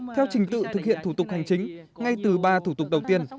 theo trình tự thực hiện thủ tục hành chính ngay từ ba thủ tục đầu tiên